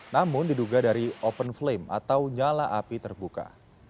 namun diduga dari open flame atau nyala api terbuka